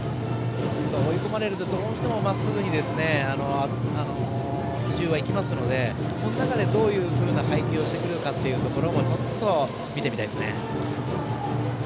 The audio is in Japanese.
追い込まれるとどうしてもまっすぐに比重は行きますのでその中で、どういう配球をしてくるのかというのもちょっと見てみたいですね。